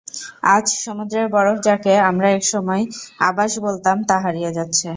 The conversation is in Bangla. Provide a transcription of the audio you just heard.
আজ, সমুদ্রের বরফ যাকে আমরা একসময় আবাস বলতাম তা হারিয়ে যাচ্ছে।